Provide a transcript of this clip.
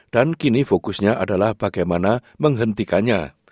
dan kini fokusnya adalah bagaimana menghentikannya